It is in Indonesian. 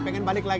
pengen balik lagi